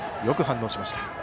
よく反応しました。